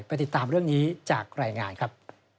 ติดตามเรื่องนี้จากรายงานครับ